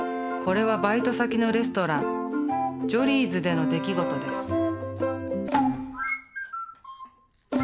これはバイト先のレストランジョリーズでの出来事です。